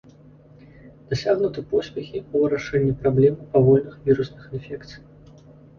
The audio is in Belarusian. Дасягнуты поспехі ў вырашэнні праблемы павольных вірусных інфекцый.